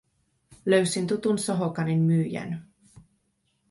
Löysin tutun sohokanin myyjän.